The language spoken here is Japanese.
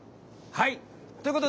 はい。